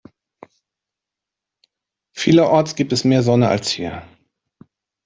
Vielerorts gibt es mehr Sonne als hier.